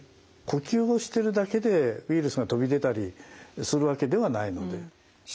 呼吸をしてるだけでウイルスが飛び出たりするわけではないので。